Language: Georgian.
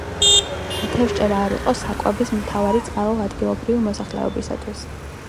თევზჭერა არ იყო საკვების მთავარი წყარო ადგილობრივი მოსახლეობისთვის.